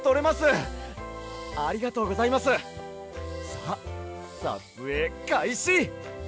さあさつえいかいし！